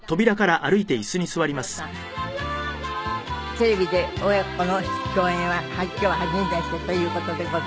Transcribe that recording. テレビで親子の共演は今日が初めてという事でございます。